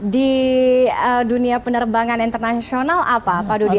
di dunia penerbangan internasional apa pak dodi